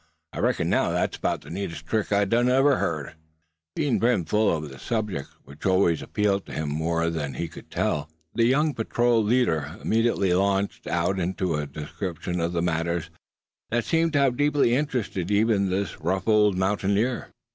I reckon now, that's 'bout the neatest trick I done ever heard on." Being brim full of the subject, which always appealed to him more than he could tell, the young patrol leader immediately launched out into a description of the matters that seemed to have deeply interested even this rough old mountaineer.